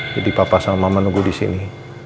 jadi papa sama mama nunggu disini